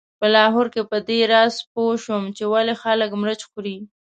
په لاهور کې په دې راز پوی شوم چې ولې خلک مرچ خوري.